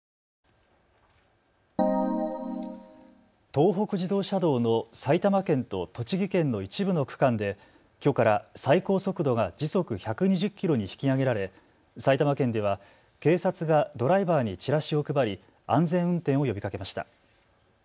東北自動車道の埼玉県と栃木県の一部の区間できょうから最高速度が時速１２０キロに引き上げられ埼玉県では警察がドライバーにチラシを配り安全運転を呼びかけました。